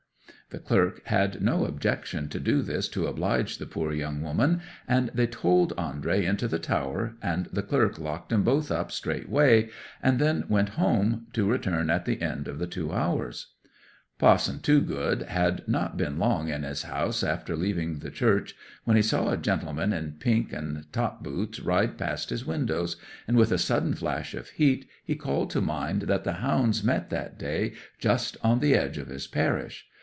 'The clerk had no objection to do this to oblige the poor young woman, and they toled Andrey into the tower, and the clerk locked 'em both up straightway, and then went home, to return at the end of the two hours. 'Pa'son Toogood had not been long in his house after leaving the church when he saw a gentleman in pink and top boots ride past his windows, and with a sudden flash of heat he called to mind that the hounds met that day just on the edge of his parish.